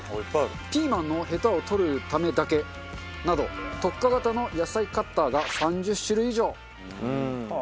ピーマンのヘタを取るためだけなど特化型の野菜カッターが３０種類以上。